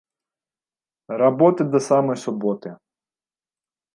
Работы да самай суботы